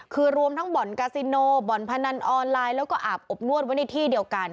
คือรวมทั้งบ่อนกาซิโนบ่อนพนันออนไลน์แล้วก็อาบอบนวดไว้ในที่เดียวกัน